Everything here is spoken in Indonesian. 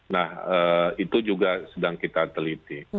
nah itu juga sedang kita teliti